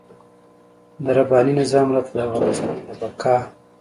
د رباني نظام راته د افغانستان د بقا.